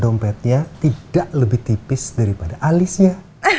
dompetnya tidak lebih tipis daripada alisnya